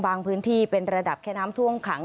พื้นที่เป็นระดับแค่น้ำท่วมขัง